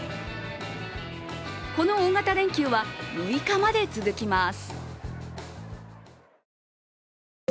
この大型連休は６日まで続きます。